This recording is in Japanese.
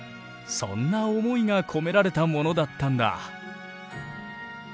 そんな思いが込められたものだったんだ。